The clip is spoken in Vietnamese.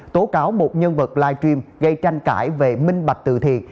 tố cáo một nhân vật live stream gây tranh cãi về minh bạch từ thiện